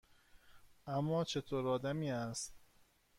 اِما چطور آدمی است؟